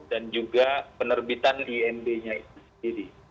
dan juga penerbitan inb nya itu sendiri